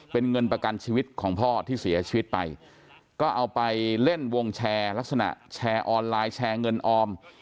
เป็นเงินประกันชีวิตของพ่อที่เสียชีวิตไปก็เอาไปเล่นวงแชร์ลักษณะแชร์ออนไลน์แชร์เงินออม